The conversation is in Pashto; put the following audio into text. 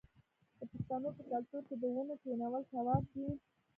د پښتنو په کلتور کې د ونو کینول ثواب دی.